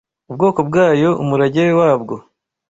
ubwoko bwayo umurage wabwo